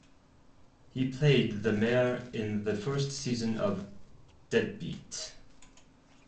He played the mayor in the first season of "Deadbeat".